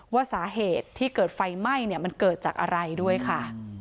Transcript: ว่าสาเหตุที่เกิดไฟไหม้มันเกิดจากอะไรด้วยค่ะ